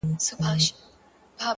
زموږ نصیب به هم په هغه ورځ پخلا سي!.